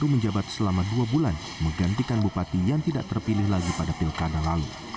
menjabat selama dua bulan menggantikan bupati yang tidak terpilih lagi pada pilkada lalu